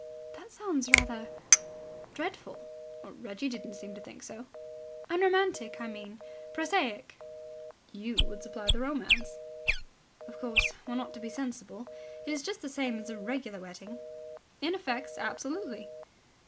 "That sounds rather ... dreadful." "Reggie didn't seem to think so." "Unromantic, I mean. ... Prosaic." "You would supply the romance." "Of course, one ought to be sensible. It is just the same as a regular wedding." "In effects, absolutely."